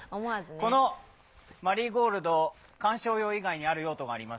このマリーゴールド、観賞用にある用途があります。